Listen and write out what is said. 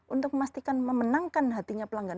untuk memastikan memenangkan hatinya pelanggan